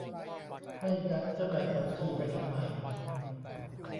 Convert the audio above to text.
ไม่งั้นจะแบ่งบัญชีไปทำไม